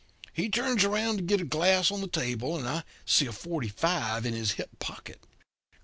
He turns around to get a glass on the table, and I see a forty five in his hip pocket.